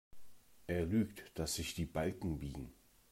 Er lügt, dass sich die Balken biegen.